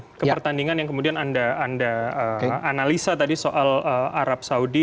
ini ke pertandingan yang kemudian anda analisa tadi soal arab saudi